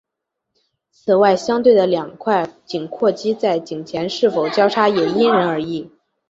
此外相对的两块颈阔肌在颈前是否交叉也因人而异。